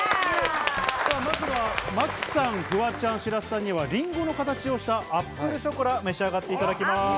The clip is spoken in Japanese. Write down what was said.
まずは真木さん、フワちゃん、白洲さんにはリンゴの形をしたアップルショコラを召し上がっていただきます。